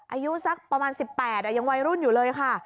อายุสักประมาณ๑๘ยังวัยรุ่นอยู่เลยค่ะ